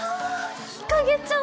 日蔭ちゃん